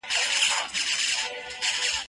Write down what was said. ږغ د زهشوم له خوا اورېدل کيږي؟